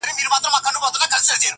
خدایه ملیار مي له ګلونو سره لوبي کوي-